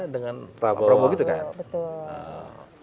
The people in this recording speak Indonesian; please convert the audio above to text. dengan prabowo gitu kan betul